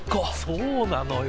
そうなのよ。